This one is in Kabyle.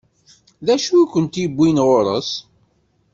D acu i kent-iwwin ɣur-s?